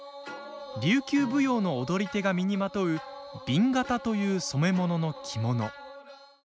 琉球舞踊の踊り手が身にまとう紅型という染め物の着物。